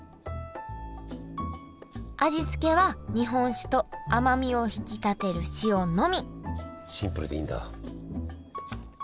味付けは日本酒と甘みを引き立てる塩のみシンプルでいいんだ。